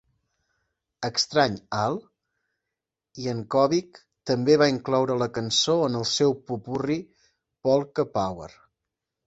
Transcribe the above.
"Extrany Al" Yankovic també va incloure la cançó en el seu popurri "Polka Power!"